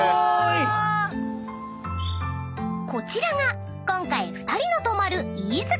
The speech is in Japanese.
［こちらが今回２人の泊まる］